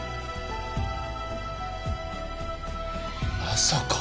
まさか。